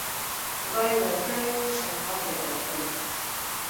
خدای ورکړی وو شهپر د الوتلو